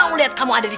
kompro asol lagi lah ya